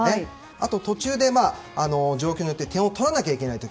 あと、途中で状況によって点を取らないといけない時。